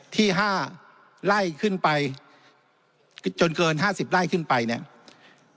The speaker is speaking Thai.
ที่๕ไร่ขึ้นไปจนเกิน๕๐ไร่ขึ้นไปเนี่ย